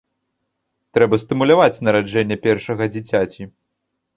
Трэба стымуляваць нараджэнне першага дзіцяці.